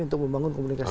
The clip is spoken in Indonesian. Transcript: untuk membangun komunikasi